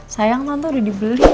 sayang tante udah dibeli